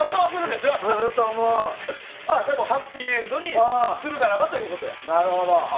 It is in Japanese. ハッピーエンドにするならばということよね。